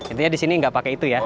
intinya di sini nggak pakai itu ya